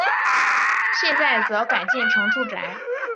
现在则改建成住宅。